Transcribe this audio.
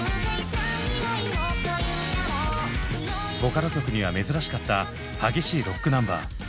ボカロ曲には珍しかった激しいロックナンバー。